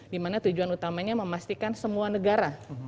dimana tujuan utamanya memastikan semua negara